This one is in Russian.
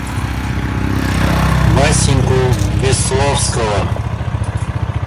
Васеньку Весловского.